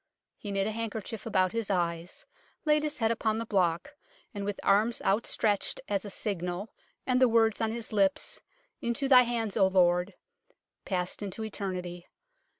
He knit a handkerchief about his eyes, laid his head upon the block, and with arms outstretched as a signal and the words on his lips, " Into Thy hands, O Lord," passed into eternity.